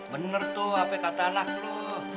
bener tuh apa kata anak lu